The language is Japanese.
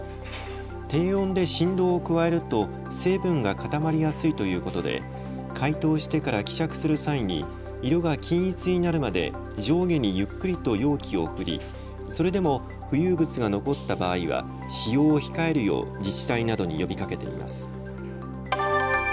低温で振動を加えると成分が固まりやすいということで解凍してから希釈する際に色が均一になるまで上下にゆっくりと容器を振りそれでも浮遊物が残った場合は使用を控えるよう自治体などに呼びかけています。